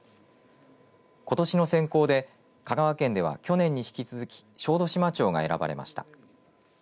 ことしの選考で香川県では去年に引き続き小豆島町が選ばれました。